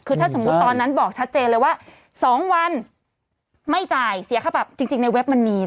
คือถ้าสมมุติตอนนั้นบอกชัดเจนเลยว่า๒วันไม่จ่ายเสียค่าปรับจริงในเว็บมันมี